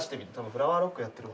フラワーロックやってる。